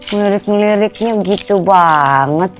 ngelirik ngeliriknya gitu banget